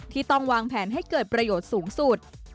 ที่ต้องวางแผนให้เกิดประโยชน์สูงสุด